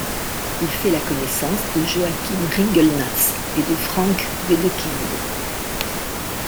Il fait la connaissance de Joachim Ringelnatz et de Frank Wedekind.